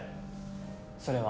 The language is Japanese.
それは。